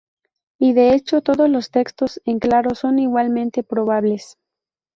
Y de hecho todos los textos en claro son igualmente probables.